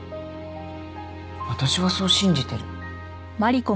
私はそう信じてる。